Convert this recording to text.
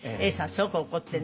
すごく怒ってね。